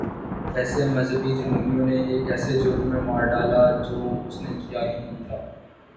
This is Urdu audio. اسے مذہبی جنونیوں نے ایک ایسے جرم میں مار ڈالا جو اس نے کیا ہی نہیں تھا۔